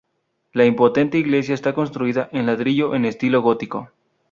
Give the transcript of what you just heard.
La imponente iglesia está construida en ladrillo en estilo gótico.